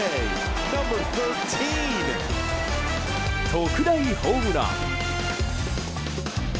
特大ホームラン！